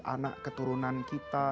anak keturunan kita